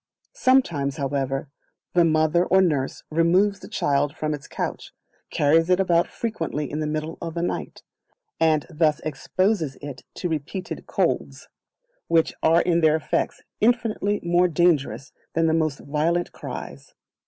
Sometimes, however, the Mother or Nurse removes the child from its couch, carries it about frequently in the middle of the night, and thus exposes it to repeated colds, which are in their effects infinitely more dangerous than the most violent cries.